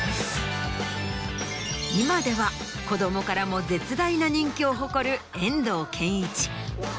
今では子供からも絶大な人気を誇る遠藤憲一。